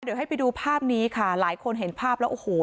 เดี๋ยวให้ไปดูภาพนี้ค่ะหลายคนเห็นภาพแล้วโอ้โห